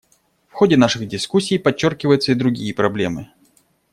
В ходе наших дискуссий подчеркиваются и другие проблемы.